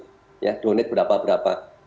mereka mendonasi berapa berapa